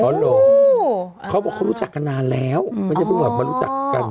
โอ้โหเขาว่าเขารู้จักกันนานแล้วไม่ได้เพิ่งมารู้จักกัน